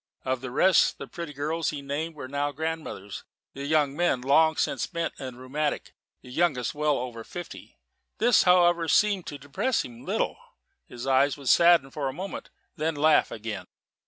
Of the rest, the pretty girls he named were now grandmothers, the young men long since bent and rheumatic; the youngest well over fifty. This, however, seemed to depress him little. His eyes would sadden for a moment, then laugh again.